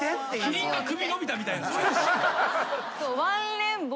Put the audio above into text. キリンが首伸びたみたいな。